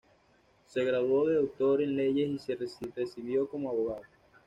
Se graduó de doctor en Leyes y se recibió como abogado.